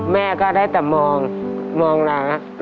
แม่ก็ได้แต่มองมองน้า